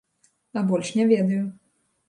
А больш не ведаю.